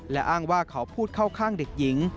และอ้างว่าเขาพูดเข้าข้างเด็กหญิง